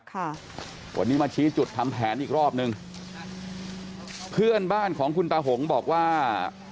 ค่ะวันนี้มาชี้จุดทำแผนอีกรอบหนึ่งเพื่อนบ้านของคุณตาหงบอกว่า